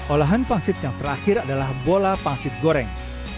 olahan pangsit yang terakhir adalah bola pangsit goreng